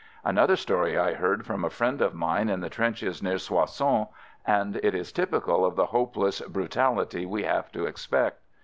Another story I heard from a friend of mine in the trenches near Soissons, and it is typical of the hopeless brutality we have to expect.